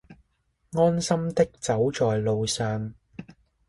安心的走在路上